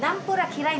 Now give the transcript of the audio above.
嫌い。